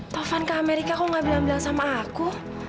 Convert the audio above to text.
taufan ke amerika aku gak bilang bilang sama aku